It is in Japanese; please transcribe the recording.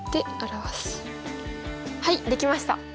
はいできました。